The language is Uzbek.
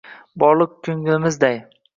Borliq ko’nglimizday